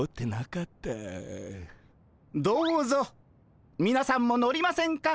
どうぞみなさんも乗りませんか？